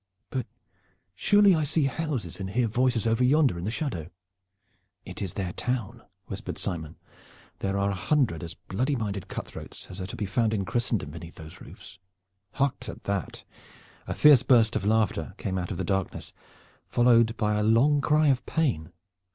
But surely I see houses and hear voices over yonder in the shadow?" "It is their town," whispered Simon. "There are a hundred as bloody minded cutthroats as are to be found in Christendom beneath those roofs. Hark to that!" A fierce burst of laughter came out of the darkness, followed by a long cry of pain.